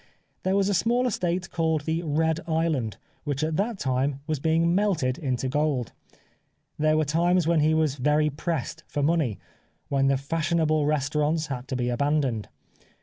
There was a small estate called the Red Island which at that time was being melted into gold. There were times when he was very pressed for money, when the fashion able restaurants had to be abandoned.